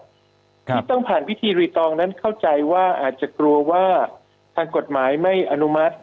ที่ต้องผ่านพิธีรีตองนั้นเข้าใจว่าอาจจะกลัวว่าทางกฎหมายไม่อนุมัติ